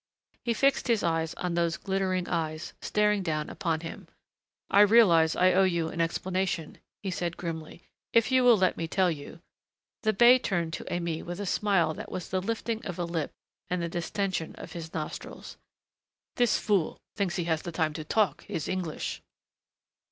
He fixed his eyes on those glittering eyes, staring down upon him. "I realize I owe you an explanation," he said grimly. "If you will let me tell you " The bey turned to Aimée with a smile that was the lifting of a lip and the distention of his nostrils. "This fool thinks he has the time to talk his English."